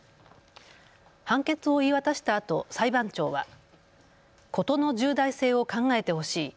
判決を言い渡したあと裁判長は事の重大性を考えてほしい。